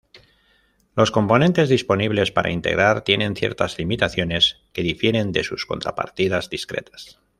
Los componentes disponibles para integrar tienen ciertas limitaciones, que difieren de sus contrapartidas discretas.